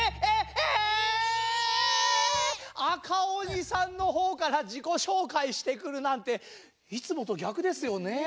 え⁉赤鬼さんのほうからじこしょうかいしてくるなんていつもとぎゃくですよねえ？